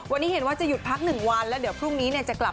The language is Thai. วันนี้เห็นว่าจะหยุดพักหนึ่งวันแล้วเดี๋ยวพรุ่งนี้เนี่ยจะกลับ